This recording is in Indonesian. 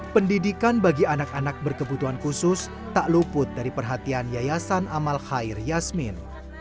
pendidikan bagi anak anak berkebutuhan khusus tak luput dari perhatian yayasan amal khair yasmin